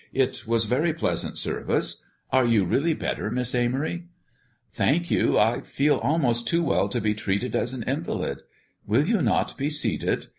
It was very pleasant service. Are you really better, Miss Amory?" "Thank you; I feel almost too well to be treated as an invalid. Will you not be seated?